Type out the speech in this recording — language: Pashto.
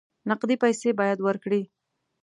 نقدې پیسې باید ورکړې.